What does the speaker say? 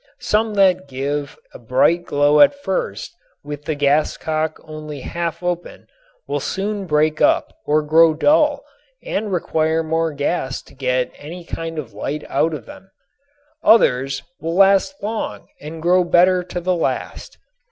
Some that give a bright glow at first with the gas cock only half open will soon break up or grow dull and require more gas to get any kind of a light out of them. Others will last long and grow better to the last.